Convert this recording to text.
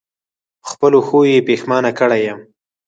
په خپلو ښو یې پښېمانه کړی یم.